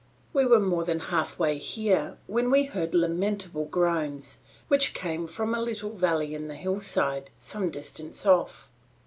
We were more than half way here when we heard lamentable groans, which came from a little valley in the hillside, some distance off.